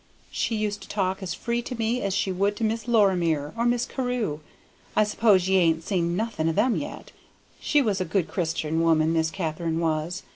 She used to talk as free to me as she would to Miss Lorimer or Miss Carew. I s'pose ye ain't seen nothing o' them yet? She was a good Christian woman, Miss Katharine was.